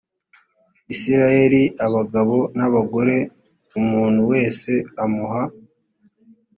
isirayeli abagabo n abagore umuntu wese amuha